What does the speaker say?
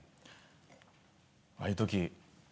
ああいう時。